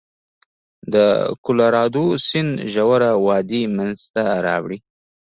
د کلورادو سیند ژوره وادي منځته راوړي.